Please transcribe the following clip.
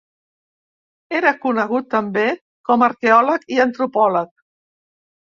Era conegut també com a arqueòleg i antropòleg.